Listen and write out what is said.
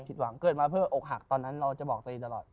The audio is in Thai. หวังเกิดมาเพื่ออกหักตอนนั้นเราจะบอกตัวเองตลอด